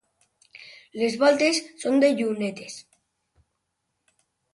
Les voltes són de llunetes.